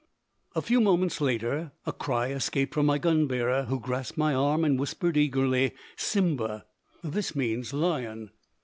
A few moments later, a cry escaped from my gun bearer, who grasped my arm and whispered eagerly, simba. This means lion.